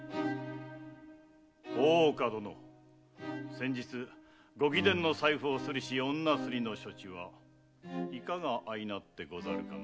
大岡殿先日ご貴殿の財布をすりし女スリの処置はいかが相なってござるかな？